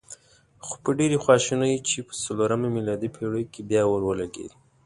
خو په ډېرې خواشینۍ چې په څلورمه میلادي پېړۍ کې بیا اور ولګېد.